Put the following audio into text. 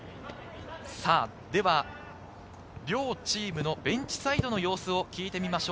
両チームのベンチサイドの様子を聞いてみましょう。